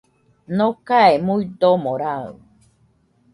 Nokae muidomo raɨ